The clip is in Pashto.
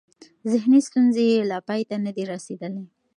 ذهني ستونزې یې لا پای ته نه دي رسېدلې.